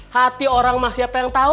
hati orang mah siapa yang tahu